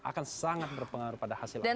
akan sangat berpengaruh pada hasil evaluasi